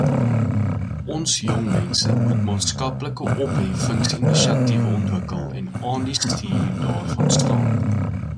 Ons jongmense moet maatskaplike opheffingsinisiatiewe ontwikkel en aan die stuur daarvan staan.